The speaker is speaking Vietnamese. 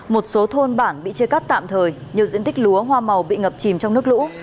một số thôn bản bị chia cắt tạm thời nhiều diện tích lúa hoa màu bị ngập chìm trong nước lũ